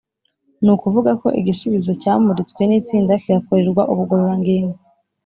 Ni ukuvuga ko igisubizo cyamuritswe n’itsinda kigakorerwa ubugororangingo